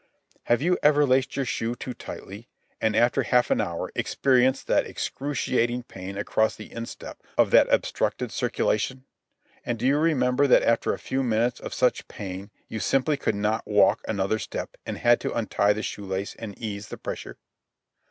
Have you ever laced your shoe too tightly, and, after half an hour, experienced that excruciating pain across the instep of the obstructed circulation? And do you remember that after a few minutes of such pain you simply could not walk another step and had to untie the shoe lace and ease the pressure?